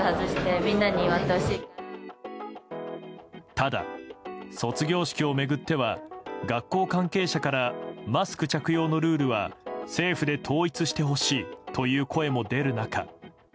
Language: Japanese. ただ、卒業式を巡っては学校関係者からマスク着用のルールは政府で統一してほしいという声も出る中。